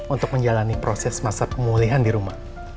untuk menjalani proses masa pemulihan di rumah